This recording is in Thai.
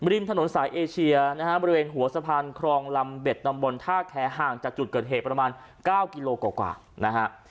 ริมถนนสายเอเชียนะฮะบริเวณหัวสะพานครองลำเบ็ดตำบลท่าแคร์ห่างจากจุดเกิดเหตุประมาณ๙กิโลกว่านะฮะ